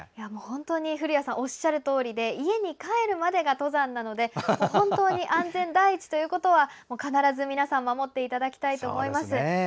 古谷さんがおっしゃるとおりで家に帰るまでが登山なので本当に安全第一ということは必ず皆さん守っていただきたいと思います。